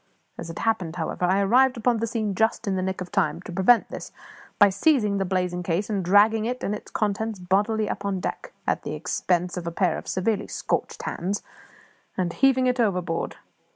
As it happened, however, I arrived upon the scene just in the nick of time to prevent this by seizing the blazing case and dragging it and its contents bodily up on deck at the expense of a pair of severely scorched hands and heaving it overboard.